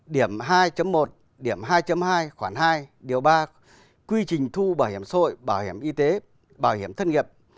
điểm hai một điểm hai hai khoảng hai điều ba quy trình thu bảo hiểm xã hội bảo hiểm y tế bảo hiểm thất nghiệp